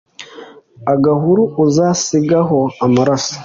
agahuru uzasigaho amaraso